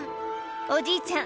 おじいちゃん